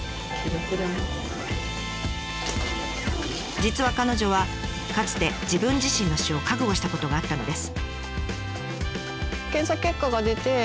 実は彼女はかつて自分自身の死を覚悟したことがあったのです。